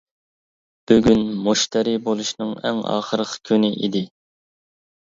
بۈگۈن مۇشتەرى بولۇشنىڭ ئەڭ ئاخىرقى كۈنى ئىدى.